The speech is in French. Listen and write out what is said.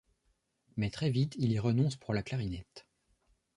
Mais très vite, il y renonce pour la clarinette.